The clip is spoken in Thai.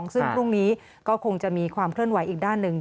ซึ่งพรุ่งนี้ก็คงจะมีความเคลื่อนไหวอีกด้านหนึ่ง